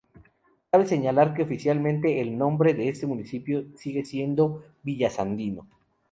Cabe señalar que oficialmente el nombre de este municipio sigue siendo Villa Sandino.